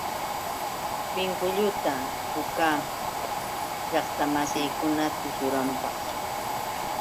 Pinkulluta puukaa llaqtamasiikuna tushunanpaq.